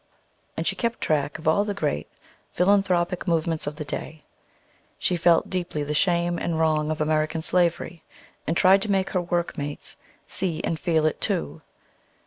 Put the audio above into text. And she kept track of all the great philanthropic movements of the day. She felt deeply the shame and wrong of American slavery, and tried to make her workmates see and feel it too.